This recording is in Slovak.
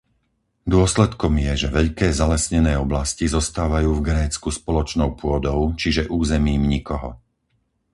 Dôsledkom je, že veľké zalesnené oblasti zostávajú v Grécku spoločnou pôdou, čiže územím nikoho.